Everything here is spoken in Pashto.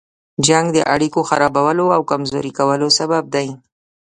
جنګ د اړيکو خرابولو او کمزوري کولو سبب دی.